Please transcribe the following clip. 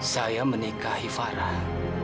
saya menikahi farah